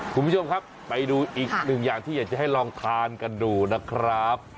คุณผู้ชมครับไปดูอีกหนึ่งอย่างที่อยากจะให้ลองทานกันดูนะครับ